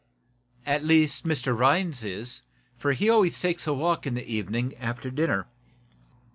"At least, Mr. Rhinds is, for he always takes a walk in the evening, after dinner.